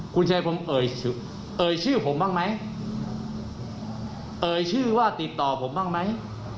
คุณชัยพรมเอ่ยชื่อผมบ้างไหมเอ่ยชื่อว่าติดต่อผมบ้างไหม